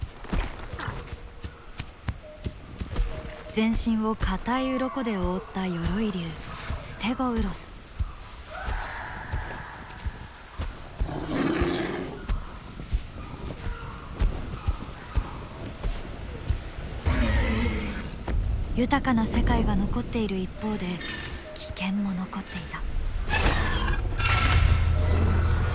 全身を硬いウロコで覆った鎧竜豊かな世界が残っている一方で危険も残っていた。